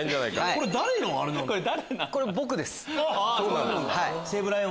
これ誰のあれなの？